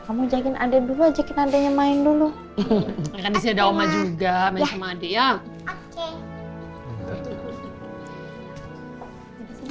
aja kan ada dulu aja kan adanya main dulu kan bisa daumah juga main sama adik ya oke